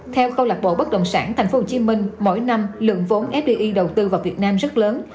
theo câu lạc bộ bất động sản tp hcm mỗi năm lượng vốn fdi đầu tư vào việt nam rất lớn